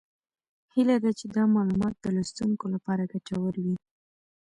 هیله ده چې دا معلومات د لوستونکو لپاره ګټور وي